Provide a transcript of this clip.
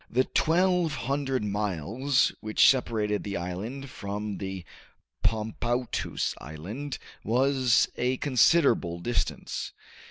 The twelve hundred miles which separated the island from the Pomoutous Island was a considerable distance.